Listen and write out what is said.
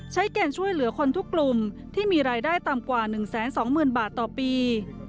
เกณฑ์ช่วยเหลือคนทุกกลุ่มที่มีรายได้ต่ำกว่า๑๒๐๐๐บาทต่อปี